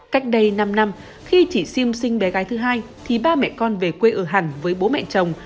cách đây năm năm khi chị xim sinh bé gái thứ hai thì ba mẹ con về quê ở hàn với bố mẹ chồng